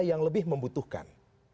yang lebih membutuhkan